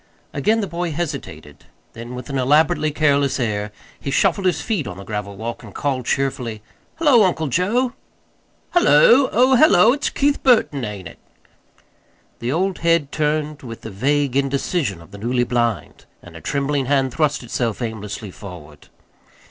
Again the boy hesitated; then, with an elaborately careless air, he shuffled his feet on the gravel walk and called cheerfully: "Hullo, Uncle Joe." "Hullo! Oh, hullo! It's Keith Burton, ain't it?" The old head turned with the vague indecision of the newly blind, and a trembling hand thrust itself aimlessly forward.